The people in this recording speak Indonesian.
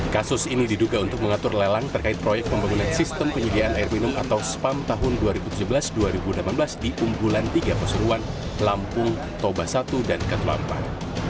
kasus ini diduga untuk mengatur lelang terkait proyek pembangunan sistem penyediaan air minum atau spam tahun dua ribu tujuh belas dua ribu delapan belas di unggulan tiga pasuruan lampung toba satu dan katulampang